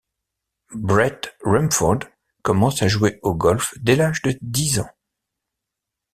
Brett Rumford commence à jouer au golf dès l'âge de dix ans.